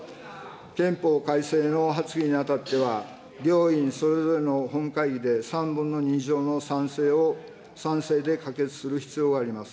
憲法改正の発議にあたっては、両院それぞれの本会議で３分の２以上の賛成で可決する必要があります。